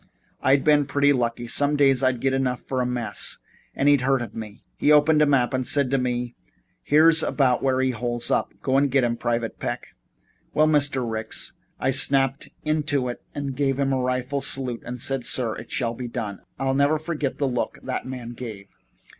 I'd been pretty lucky some days I got enough for a mess and he'd heard of me. He opened a map and said to me: 'Here's about where he holes up. Go get him, Private Peck.' Well, Mr. Ricks, I snapped into it and gave him a rifle salute, and said, 'Sir, it shall be done' and I'll never forget the look that man gave me.